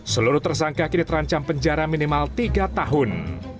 seluruh tersangka kini terancam penjara minimal tiga tahun